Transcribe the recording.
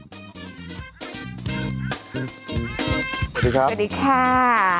สวัสดีครับสวัสดีค่ะ